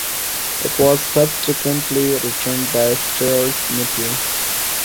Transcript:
It was subsequently returned by Steuart's nephew.